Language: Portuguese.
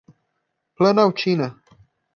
Planaltina